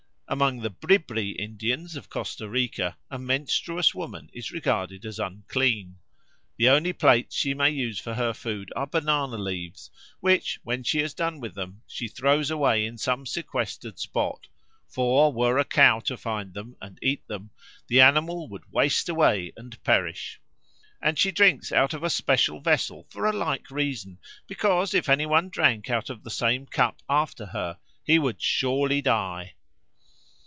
Among the Bribri Indians of Costa Rica a menstruous woman is regarded as unclean. The only plates she may use for her food are banana leaves, which, when she has done with them, she throws away in some sequestered spot; for were a cow to find them and eat them, the animal would waste away and perish. And she drinks out of a special vessel for a like reason; because if any one drank out of the same cup after her, he would surely die.